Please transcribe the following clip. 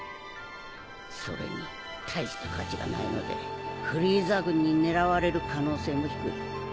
それに大した価値がないのでフリーザ軍に狙われる可能性も低い。